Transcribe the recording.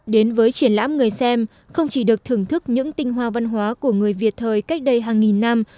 đến với triển lãm người xem không chỉ được thưởng thức những tinh hoa văn hóa của người việt thời cách đây hàng nghìn năm